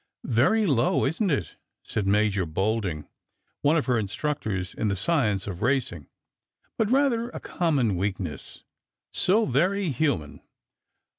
" Very low, isn't it ?" said Major Bolding, one of her instruc tors in the science of racing; " but rather a common weakness. So very human.